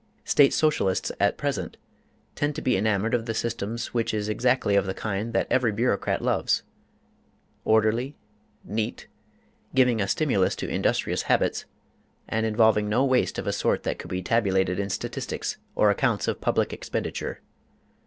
State Socialists at present tend to be enamored of the systems which is exactly of the kind that every bureaucrat loves: orderly, neat, giving a stimulus to industrious habits, and involving no waste of a sort that could be tabulated in statistics or accounts of public expenditure.